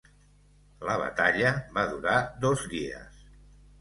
La batalla va durar dos dies.